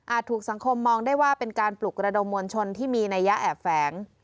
ถูกสังคมมองได้ว่าเป็นการปลุกระดมมวลชนที่มีนัยยะแอบแฝง